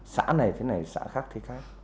xã này thế này xã khác thế khác